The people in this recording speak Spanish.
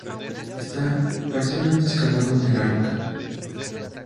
Está parcialmente excavado en la roca.